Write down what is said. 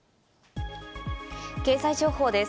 経済情報です。